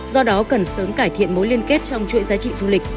do đó cần sớm cải thiện mối liên kết trong chuỗi giá trị du lịch